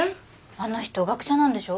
あの人学者なんでしょ？